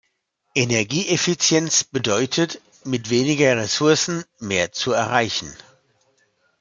Energieeffizienz bedeutet, mit weniger Ressourcen mehr zu erreichen.